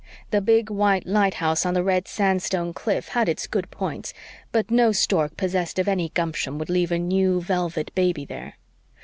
The big, white light house on the red sandstone cliff had its good points; but no stork possessed of any gumption would leave a new, velvet baby there.